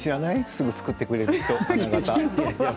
すぐ作ってくれる。